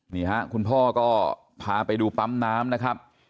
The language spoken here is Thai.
นี่ฮะคุณพ่อก็พาไปดูปั๊มน้ำนะครับ